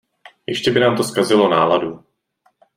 Ještě by nám to zkazilo náladu.